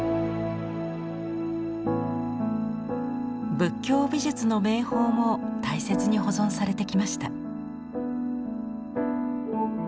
仏教美術の名宝も大切に保存されてきました。